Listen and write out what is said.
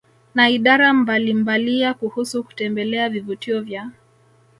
na idara mbalimbalia kuhusu kutembelea vivutio vya